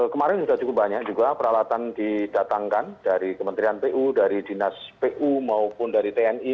kemarin sudah cukup banyak juga peralatan didatangkan dari kementerian pu dari dinas pu maupun dari tni